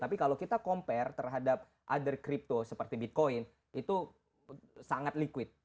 tapi kalau kita compare terhadap other crypto seperti bitcoin itu sangat liquid